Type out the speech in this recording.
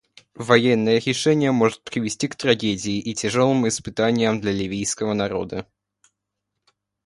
Военное решение может привести к трагедии и тяжелым испытаниям для ливийского народа.